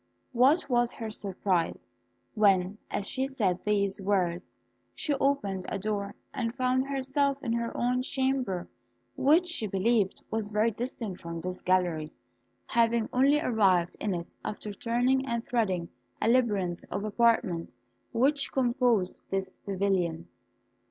What was her surprise, when as she said these words, she opened a door and found herself in her own chamber, which she believed was very distant from this gallery, having only arrived in it after turning and threading a labyrinth of apartments which composed this pavilion.